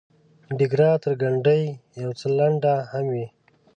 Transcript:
ډیګره تر ګنډۍ یو څه لنډه هم وي.